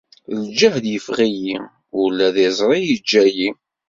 Lǧehd iffeɣ-iyi, ula d iẓri yeǧǧa-yi.